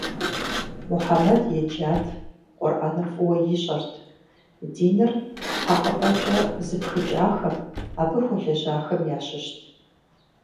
Мухьэмэд еджат, Къурӏэнр фӏыуэ ищӏэрт, диныр хьэкъыпӏэкӏэ зыпхыкӏахэм, абы хуэлажьэхэм ящыщт.